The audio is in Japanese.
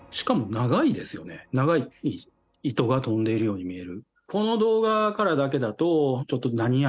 長い糸が飛んでいるように見える。